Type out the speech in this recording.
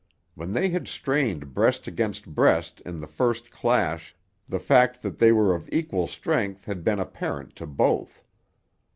When they had strained breast against breast in the first clash the fact that they were of equal strength had been apparent to both.